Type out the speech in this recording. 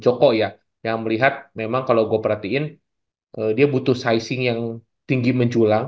joko ya yang melihat memang kalau gue perhatiin dia butuh sing yang tinggi menculang